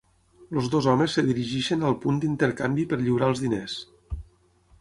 Els dos homes es dirigeixen al punt d'intercanvi per lliurar els diners.